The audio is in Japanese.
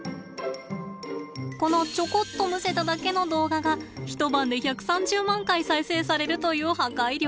このちょこっとむせただけの動画が一晩で１３０万回再生されるという破壊力。